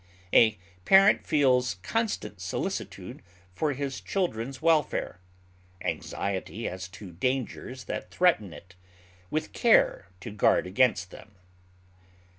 A parent feels constant solicitude for his children's welfare, anxiety as to dangers that threaten it, with care to guard against them.